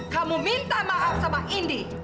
kamu minta maaf sama indi